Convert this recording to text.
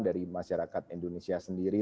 dari masyarakat indonesia sendiri